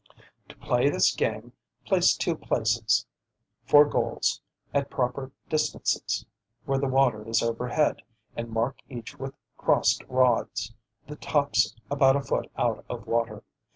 To play this game place two places, for goals, at proper distances where the water is overhead, and mark each with crossed rods, the tops about a foot out of water.